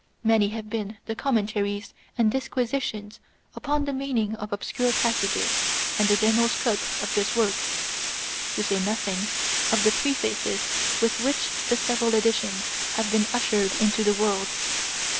Many have been the commentaries and disquisitions upon the meaning of obscure passages and the general scope of this work ; to say nothing of the^prefaces with which the several editions have /, been ushered into the world.